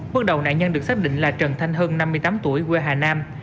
bước đầu nạn nhân được xác định là trần thanh hân năm mươi tám tuổi quê hà nam